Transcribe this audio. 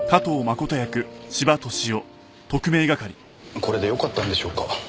これで良かったんでしょうか。